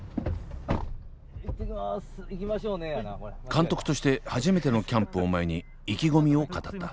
監督として初めてのキャンプを前に意気込みを語った。